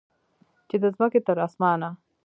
چې د مځکې تر اسمانه